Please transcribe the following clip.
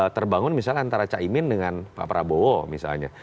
terbangun misalnya antara caimin dengan pak prabowo misalnya